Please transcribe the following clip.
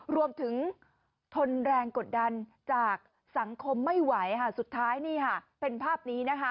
รวมถึงทนแรงกดดันจากสังคมไม่ไหวค่ะสุดท้ายนี่ค่ะเป็นภาพนี้นะคะ